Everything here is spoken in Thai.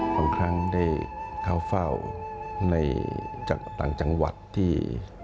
บางครั้งได้เข้าเฝ้าในจังหวัดที่